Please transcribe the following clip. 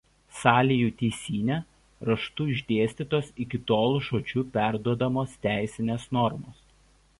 Salijų teisyne raštu išdėstytos iki tol žodžiu perduodamos teisinės normos.